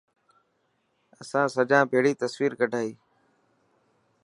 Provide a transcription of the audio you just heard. اسان سجان ڀيڙي تصويرو ڪڌائي.